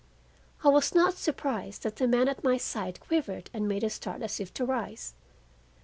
I was not surprised that the man at my side quivered and made a start as if to rise.